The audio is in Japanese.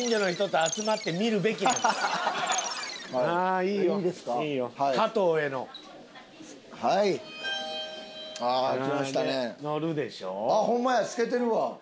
あっホンマや透けてるわ。